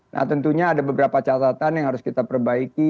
nah tentunya ada beberapa catatan yang harus kita perbaiki